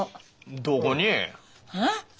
どこに？え？